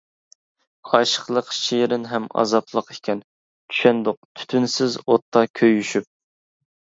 ئاشىقلىق شېرىن ھەم ئازابلىق ئىكەن، چۈشەندۇق تۈتۈنسىز ئوتتا كۆيۈشۈپ.